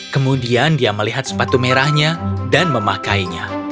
kemudian dia melihat sepatu merahnya dan memakainya